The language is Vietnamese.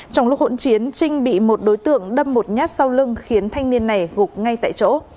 trong lúc hỗn chiến trinh bị một đối tượng đâm một nhát sau lưng khiến thanh niên này gục ngay tại chỗ